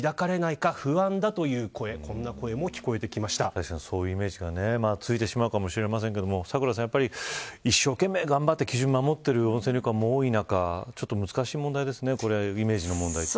確かに、そういうイメージがついてしまうかもしれませんが咲楽ちゃん、一生懸命頑張って基準を守っている温泉旅館も多い中難しい問題ですねイメージの問題って。